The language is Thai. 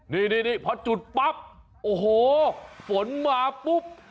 นี่พอจุดปั๊บโอ้โหฝนมาปุ๊บ